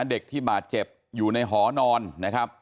เด็กที่บาดเจ็บอยู่ในหอนอนนะครับ